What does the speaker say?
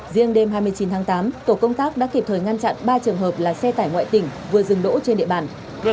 riêng đêm hai mươi chín tháng tám tổ công tác đã kịp thời ngăn chặn ba trường hợp là xe tải ngoại tỉnh vừa dừng đỗ trên địa bàn